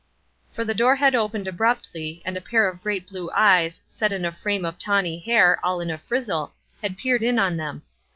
For the door had opened abruptly, and a pair of great blue eyes, set in a frame of tawny hair, all in a frizzle, had peered in on them.